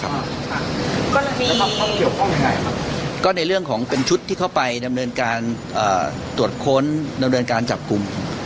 กรณีความเกี่ยวข้องยังไงครับก็ในเรื่องของเป็นชุดที่เข้าไปดำเนินการตรวจค้นดำเนินการจับกลุ่ม